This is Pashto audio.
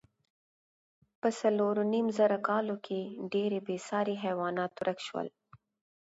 په څلورو نیم زره کلو کې ډېری بېساري حیوانات ورک شول.